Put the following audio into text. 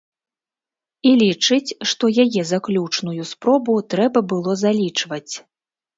І лічыць, што яе заключную спробу трэба было залічваць.